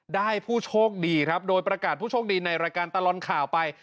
ผู้โชคดีครับโดยประกาศผู้โชคดีในรายการตลอดข่าวไป